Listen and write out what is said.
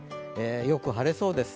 よく晴れそうです。